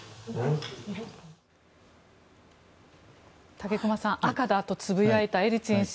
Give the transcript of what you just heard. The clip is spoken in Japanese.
武隈さん赤だとつぶやいたエリツィン氏。